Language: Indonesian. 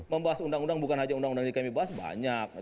membahas undang undang bukan saja undang undang ini kami bahas banyak